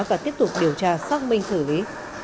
và tiếp tục điều tra xác minh xử lý